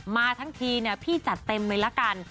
มาทั้งทีพี่จัดเต็มไว้ละกัน